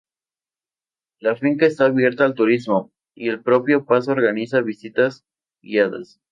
La finca está abierta al turismo y el propio pazo organiza visitas guiadas.